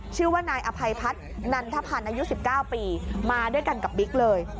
ชื่อว่านายอภัยพัฒนันทพันธ์อายุ๑๙ปีมาด้วยกันกับบิ๊กเลย